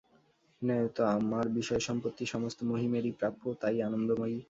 ন্যায়ত আমার বিষয়সম্পত্তি সমস্ত মহিমেরই প্রাপ্য– তাই– আনন্দময়ী।